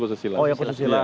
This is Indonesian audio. oh yang khusus silat